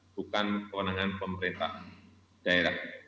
bukan kewenangan pemerintah daerah